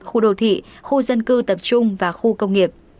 khu đô thị khu dân cư tập trung và khu công nghiệp